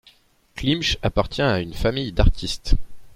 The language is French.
Klimsch appartient à une famille d'artistes.